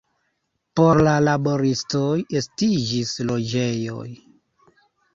Por la laboristoj estiĝis loĝejoj.